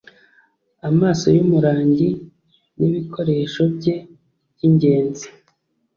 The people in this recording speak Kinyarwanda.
Amaso yumurangi nibikoresho bye byingenzi.